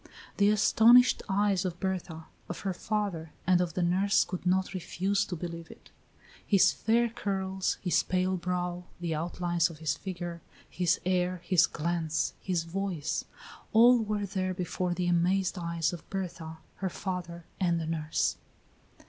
The astonished eyes of Berta, of her father, and of the nurse could not refuse to believe it. His fair curls, his pale brow, the outlines of his figure, his air, his glance, his voice all were there before the amazed eyes of Berta, her father, and the nurse.